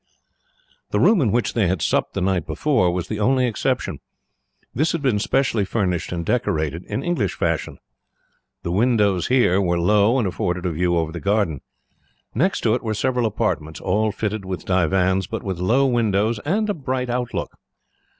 The room in which they had supped the night before was the only exception. This had been specially furnished and decorated, in English fashion. The windows here were low, and afforded a view over the garden. Next to it were several apartments, all fitted with divans, but with low windows and a bright outlook.